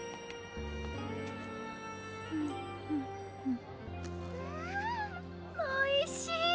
んんおいしい！